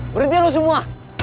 berhenti lu semua